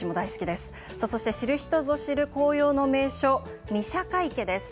そして知る人ぞ知る紅葉の名所御射鹿池です。